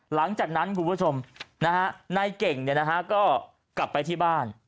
หลังจากนั้นคุณผู้ชมนายเก่งก็กลับไปที่บ้าน